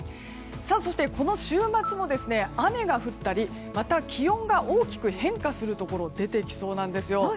そして、この週末も雨が降ったり気温が大きく変化するところが出てきそうなんです。